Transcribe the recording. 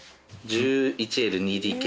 １１Ｌ２ＤＫ。